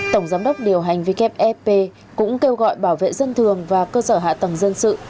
tổng giám đốc điều hành wfp cũng kêu gọi bảo vệ dân thường và cơ sở hạ tầng dân sự